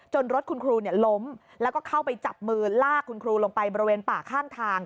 รถคุณครูล้มแล้วก็เข้าไปจับมือลากคุณครูลงไปบริเวณป่าข้างทาง